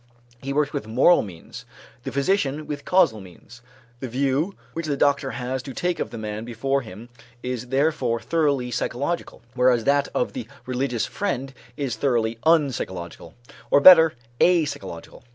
He works with moral means; the physician, with causal means. The view which the doctor has to take of the man before him is therefore thoroughly psychological; whereas that of the religious friend is thoroughly unpsychological, or better, apsychological.